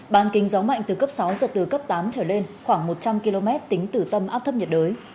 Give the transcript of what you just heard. bàn kính gió mạnh từ cấp sáu giật từ cấp tám trở lên khoảng một trăm linh km tính từ tâm áp thấp nhiệt đới